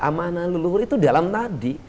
amanah leluhur itu dalam tadi